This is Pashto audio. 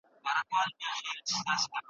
که امانتداري موجوده وي، نو درغلي نه کيږي.